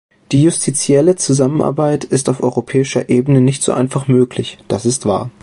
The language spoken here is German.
Die justitielle Zusammenarbeit ist auf europäischer Ebene nicht so einfach möglich, das ist wahr.